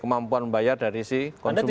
kemampuan bayar dari si konsumen